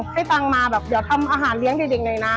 ให้ตังค์มาแบบเดี๋ยวทำอาหารเลี้ยงเด็กหน่อยนะ